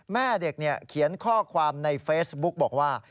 แม่เด็กเขียนข้อความในเฟซบุ๊กบอกว่า